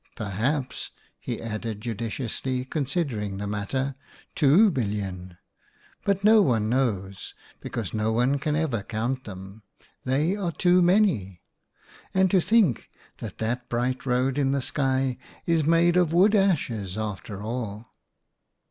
Perhaps," he added, judicially considering the matter, " two billion, but no one knows, because no one can ever count them. They are too many. And to think that that bright road in the sky is made of wood ashes, after all."